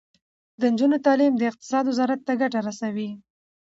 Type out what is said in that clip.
د نجونو تعلیم د اقتصاد وزارت ته ګټه رسوي.